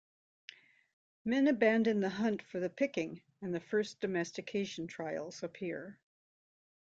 Men abandon the hunt for the picking and the first domestication trials appear.